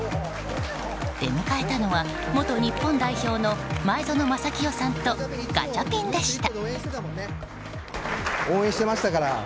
出迎えたのは、元日本代表の前園真聖さんとガチャピンでした。